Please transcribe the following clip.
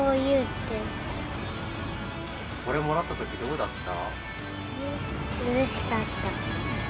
これもらったとき、どうだった？